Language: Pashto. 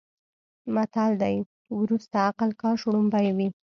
متل دی: ورستیه عقله کاش وړومبی وی.